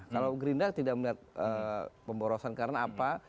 kalau gerindra tidak melihat pemborosan karena apa